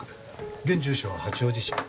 現住所は八王子市。